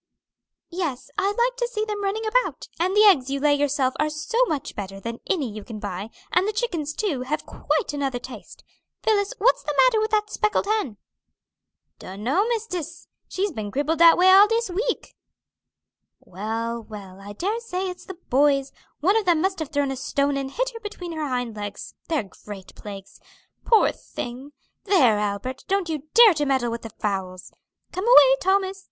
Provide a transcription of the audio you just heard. "Yes, I like to see them running about, and the eggs you lay yourself are so much better than any you can buy, and the chickens, too, have quite another taste. Phillis, what's the matter with that speckled hen?" "Dunno, mistis; she's been crippled dat way all dis week." "Well, well, I dare say it's the boys; one of them must have thrown a stone and hit her between her hind legs; they're great plagues. Poor thing! There, Albert, don't you dare to meddle with the fowls! Come away, Thomas.